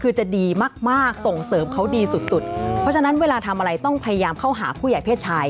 คือจะดีมากมากส่งเสริมเขาดีสุดสุดเพราะฉะนั้นเวลาทำอะไรต้องพยายามเข้าหาผู้ใหญ่เพศชาย